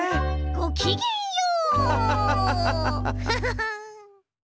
ごきげんよう！「」「」「」「」「」